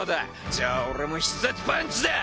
じゃあ俺も必殺パンチだ！